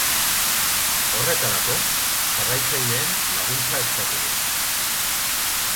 Horretarako, jarraitzaileen laguntza eskatu du.